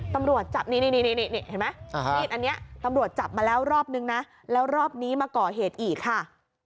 ตำรวจจับนี่เห็นไหมมีดอันนี้ตำรวจจับมาแล้วรอบนึงนะแล้วรอบนี้มาก่อเหตุอีกค่ะ